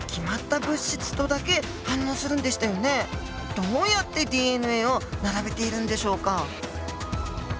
どうやってＤＮＡを並べているんでしょうか？